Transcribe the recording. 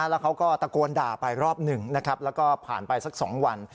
แล้วเขาก็ตะโกนด่าไปรอบหนึ่งนะครับแล้วก็ผ่านไปสัก๒วัน